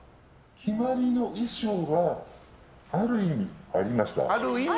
決まりの衣装はある意味ありました。